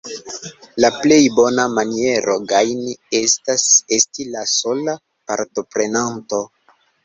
La plej bona maniero gajni estas esti la sola partoprenanto.